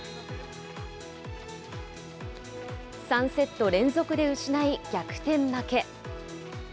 ３セット連続で失い、逆転負け。